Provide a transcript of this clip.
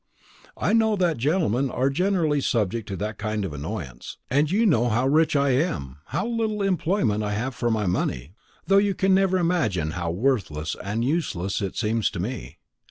I know that gentlemen are generally subject to that kind of annoyance; and you know how rich I am, how little employment I have for my money, though you can never imagine how worthless and useless it seems to me.